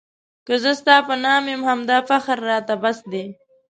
که زه ستا په نام یم همدا فخر راته بس دی.